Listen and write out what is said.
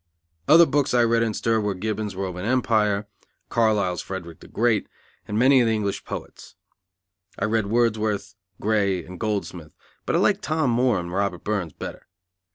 Other books I read in stir were Gibbon's Roman Empire, Carlyle's Frederick the Great, and many of the English poets. I read Wordsworth, Gray and Goldsmith, but I liked Tom Moore and Robert Burns better.